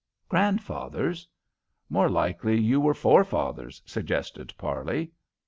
"Grandfathers? More likely you were forefathers," suggested Parley.